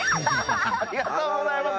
ありがとうございます。